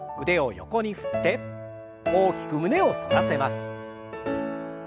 腕を横に振って大きく胸を反らせます。